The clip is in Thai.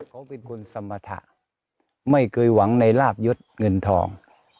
เขาเป็นคนสมรรถะไม่เคยหวังในลาบยศเงินทอง